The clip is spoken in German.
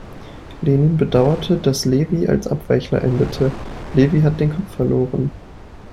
Lenin bedauerte, dass Levi als „Abweichler“ endete: „Levi hat den Kopf verloren.